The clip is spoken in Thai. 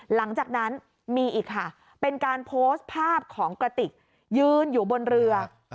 หลังจากนั้นมีอีกค่ะเป็นการโพสต์ภาพของกระติกยืนอยู่บนเรือ